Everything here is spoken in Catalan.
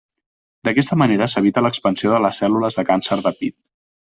D’aquesta manera s’evita l’expansió de les cèl·lules de càncer de pit.